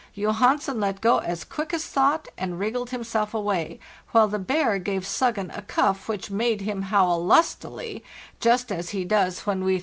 Johansen let go as quick as thought, and wriggled himself away, while the bear gave 'Suggen' a cuff which made him howl lustily, just as he does when we.